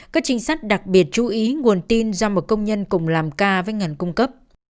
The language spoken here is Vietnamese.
các trinh sát đặc biệt chú ý nguồn tin do một công nhân cùng làm ca với ngành cung cấp